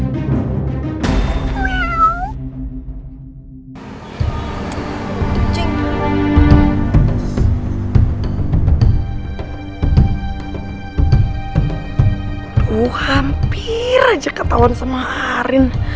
duh hampir aja ketauan semarin